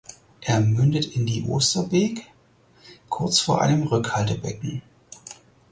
Er mündet in die Osterbek kurz vor einem Rückhaltebecken.